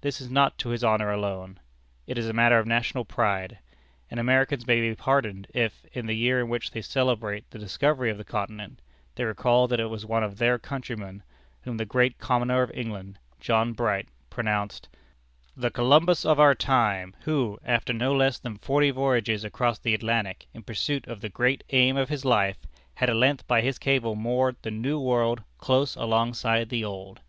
This is not to his honor alone: it is a matter of national pride; and Americans may be pardoned if, in the year in which they celebrate the discovery of the continent, they recall that it was one of their countrymen whom the Great Commoner of England, John Bright, pronounced "the Columbus of our time, who, after no less than forty voyages across the Atlantic in pursuit of the great aim of his life, had at length by his cable moored the New World close alongside the Old."